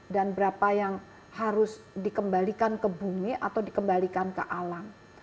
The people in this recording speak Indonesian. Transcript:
dan berapa yang harus dikembalikan ke bumi atau dikembalikan ke alam